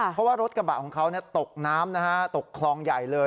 เพราะว่ารถกระบะของเขาตกน้ำนะฮะตกคลองใหญ่เลย